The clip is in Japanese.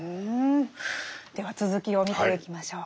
では続きを見ていきましょう。